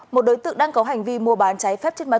một đối tượng đang có hành vi mua bán trái phép trên mặt